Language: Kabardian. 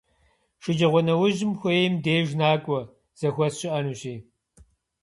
Шэджагъуэнэужьым хуейм деж накӀуэ, зэхуэс щыӀэнущи.